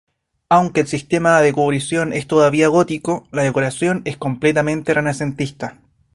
Aunque el sistema de cubrición es todavía gótico, la decoración es completamente renacentista.